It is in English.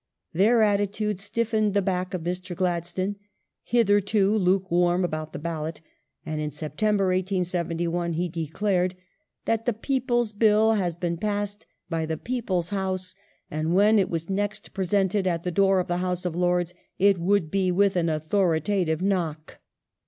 Their attitude stiffened the back of Mr. Gladstone, hitherto luke warm about the ballot, and in September, 1871, he declared that *' the people's Bill has been passed by the people's House, and when it was next presented at the door of the House of Lords it would be with an authoritative knock